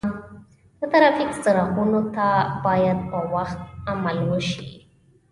د ترافیک څراغونو ته باید په وخت عمل وشي.